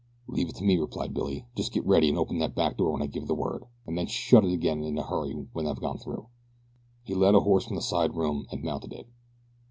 "Leave it to me," replied Billy. "Just get ready an' open that back door when I give the word, an' then shut it again in a hurry when I've gone through." He led a horse from the side room, and mounted it.